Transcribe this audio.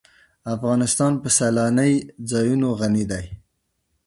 افغانستان په سیلانی ځایونه غني دی.